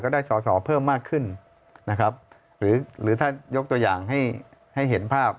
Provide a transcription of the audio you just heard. ได้สอสอเพิ่มมากขึ้นนะครับหรือหรือถ้ายกตัวอย่างให้ให้เห็นภาพ